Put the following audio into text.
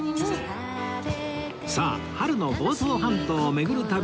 さあ春の房総半島を巡る旅